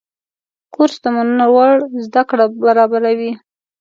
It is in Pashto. کورس د منلو وړ زده کړه برابروي.